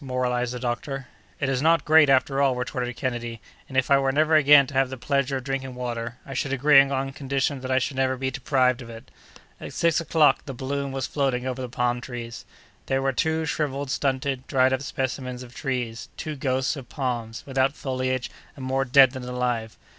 moralized the doctor. "It is not great, after all," retorted Kennedy; "and if I were never again to have the pleasure of drinking water, I should agree on condition that I should never be deprived of it." At six o'clock the balloon was floating over the palm trees. They were two shrivelled, stunted, dried up specimens of trees—two ghosts of palms—without foliage, and more dead than alive.